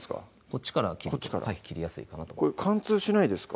こっちから切りやすいかなと思います